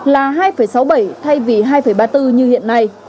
là hai sáu mươi bảy thay vì hai ba mươi bốn như hiện nay